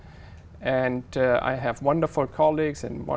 trong nhiều nơi như tôi đã nói